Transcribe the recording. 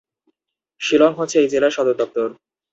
শিলং হচ্ছে এই জেলার সদরদপ্তর।